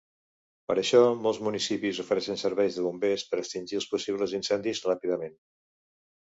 Per això, molts municipis ofereixen serveis de bombers per extingir els possibles incendis ràpidament.